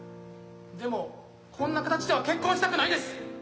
でもこんな形では結婚したくないです。